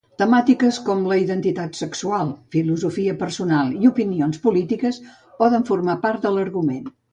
Temàtiques com la identitat sexual, filosofia personal i opinions polítiques poden formar part de l'argument.